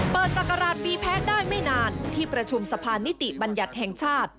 ศักราชปีแพ้ได้ไม่นานที่ประชุมสะพานนิติบัญญัติแห่งชาติ